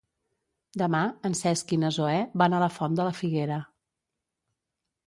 Demà en Cesc i na Zoè van a la Font de la Figuera.